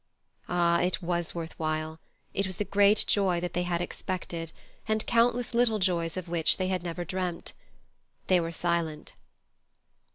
Ah! it was worth while; it was the great joy that they had expected, and countless little joys of which they had never dreamt. They were silent.